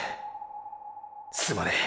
すまねェ